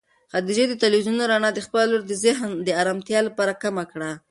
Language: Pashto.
خدیجې د تلویزون رڼا د خپلې لور د ذهن د ارامتیا لپاره کمه کړه.